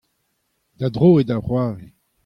da dro eo da c'hoari.